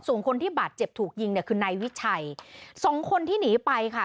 ส่วนคนที่บาดเจ็บถูกยิงเนี่ยคือนายวิชัยสองคนที่หนีไปค่ะ